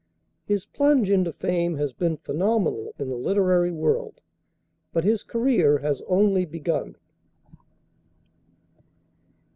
His plunge into fame has been phenomenal in the literary world. But his career has only begun.